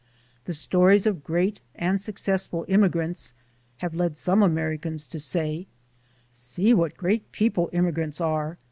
The stories of great and successful immigrants have led some Americans to say: "See what great people immigrants are!